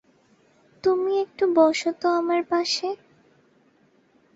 তুমি একটু বস তো আমার পাশে।